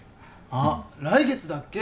あっ来月だっけ？